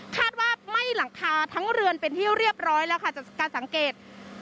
ว่าไหม้หลังคาทั้งเรือนเป็นที่เรียบร้อยแล้วค่ะจากการสังเกต